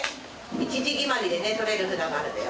一字決まりでね取れる札があるんだよ。